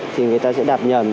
thì người ta sẽ đặt nhầm